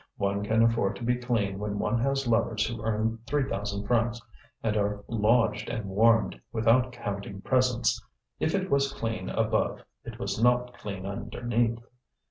One can afford to be clean when one has lovers who earn three thousand francs, and are lodged and warmed, without counting presents. If it was clean above it was not clean underneath.